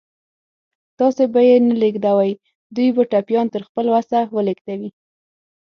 تاسې به یې نه لېږدوئ، دوی به ټپيان تر خپل وسه ولېږدوي.